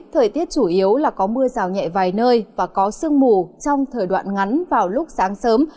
thời tiết chủ yếu là có mưa rào nhẹ vài nơi và có sương mù trong thời đoạn ngắn vào lúc sáng sớm